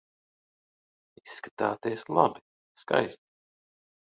Izskatāties labi, skaisti.